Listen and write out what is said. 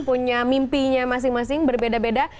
punya mimpinya masing masing berbeda beda